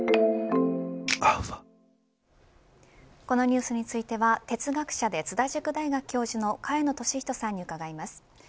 このニュースについては哲学者で津田塾大学教授の萱野稔人さんに伺います。